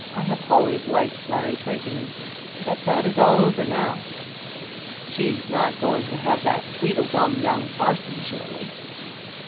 I have always liked Larry Twentyman. But that is all over now." "She's not going to have that tweedledum young parson, surely?"